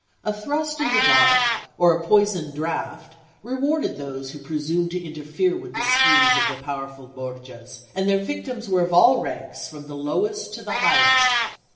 A thrust in the dark or a poisoned draught rewarded those who presumed to interfere with the schemes of the powerful Borgias; and their victims were of all ranks, from the lowest to the highest.